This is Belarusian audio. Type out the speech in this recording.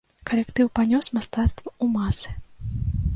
Калектыў панёс мастацтва ў масы.